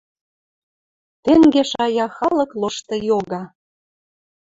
Тенге шая халык лошты йога.